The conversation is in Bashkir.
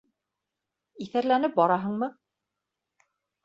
Иҫәрләнеп бараһыңмы?